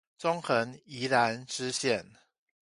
中橫宜蘭支線